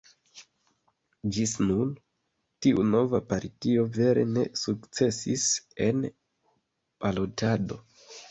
Ĝis nun tiu nova partio vere ne sukcesis en balotado.